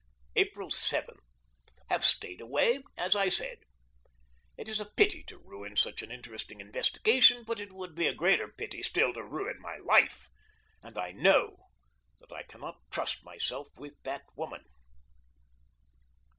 April 7. Have stayed away as I said. It is a pity to ruin such an interesting investigation, but it would be a greater pity still to ruin my life, and I KNOW that I cannot trust myself with that woman.